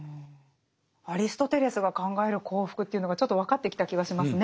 アリストテレスが考える幸福というのがちょっと分かってきた気がしますね。